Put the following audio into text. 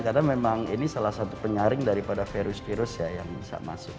karena memang ini salah satu penyaring daripada virus virus yang bisa masuk